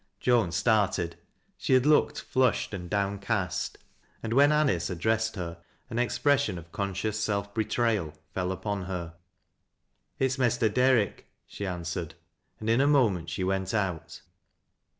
Joan started. She had looked flushed and downcast, and wlien Anice addressed her, an expression of conscious self betrayal fell upon her. " It is Mester Derrick," she answered, and in a moment %he went out.